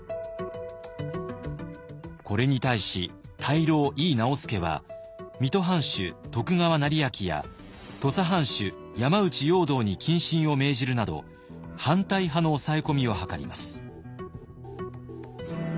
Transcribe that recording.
これに対し大老井伊直弼は水戸藩主徳川斉昭や土佐藩主山内容堂に謹慎を命じるなど反対派の抑え込みを図ります。